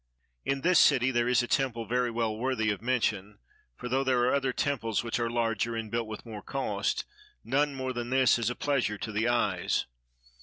In this city there is a temple very well worthy of mention, for though there are other temples which are larger and build with more cost, none more than this is a pleasure to the eyes.